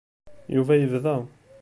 Yuba yebda.